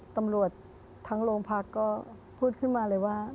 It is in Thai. ตำรวจทั้งโรงพักก็พูดขึ้นมาเลยว่า